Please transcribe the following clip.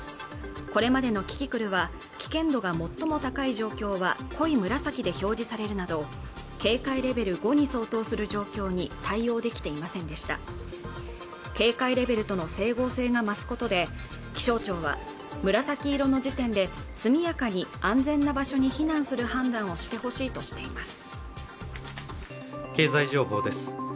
これまでの「キキクル」は危険度が最も高い状況は濃い紫で表示されるなど警戒レベル５に相当する状況に対応できていませんでした警戒レベルとの整合性が増すことで気象庁は紫色の時点で速やかに安全な場所に避難する判断をしてほしいとしています